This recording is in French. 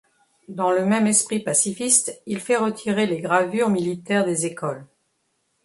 Dans le même esprit pacifiste, il fait retirer les gravures militaires des écoles.